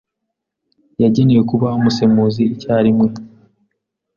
Yagenewe kuba umusemuzi icyarimwe.